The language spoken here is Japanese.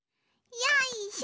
よいしょ。